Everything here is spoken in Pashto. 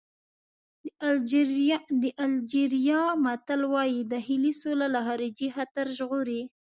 د الجېریا متل وایي داخلي سوله له خارجي خطر ژغوري.